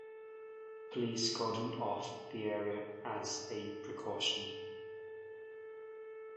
Police cordoned off the area as a precaution.